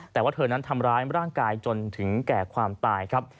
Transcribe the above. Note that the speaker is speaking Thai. แต่ว่าเธอนั้นทำร้ายร่างกายจนถึงแก่ความตายครับ